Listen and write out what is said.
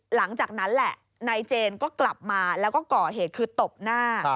หลังจากนั้นแหละนายเจนก็กลับมาแล้วก็ก่อเหตุคือตบหน้า